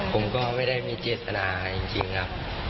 ผมก็ไม่ได้มีเจตนาจริงครับ